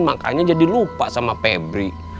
makanya jadi lupa sama pabrik